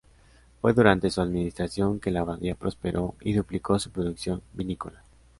Fue durante su administración que la abadía prosperó y duplicó su producción vinícola.